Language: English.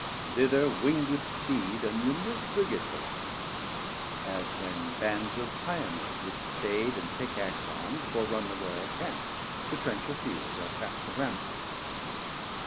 Thither wing'd with speed A numerous Brigad hasten'd. As when bands Of Pioners with Spade and Pickaxe arm'd Forerun the Royal Camp, to trench a Field, Or cast a Rampart.